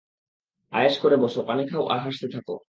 আয়েশ করে বসো, পানি খাও আর হাসতে থাকো।